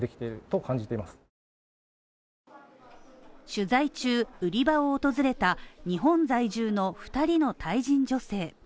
取材中、売り場を訪れた日本在住の２人のタイ人女性。